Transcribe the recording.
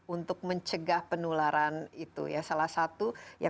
untuk melakukan vaksinasi